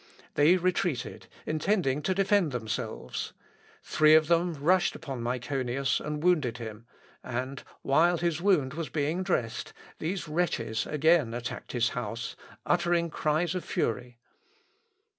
They retreated, intending to defend themselves. Three of them rushed upon Myconius and wounded him, and, while his wound was being dressed, these wretches again attacked his house, uttering cries of fury.